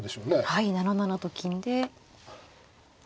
はい７七と金で。